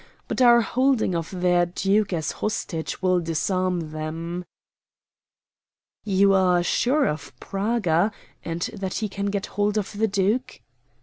But our holding of their duke as a hostage will disarm them." "You are sure of Praga, and that he can get hold of the duke?"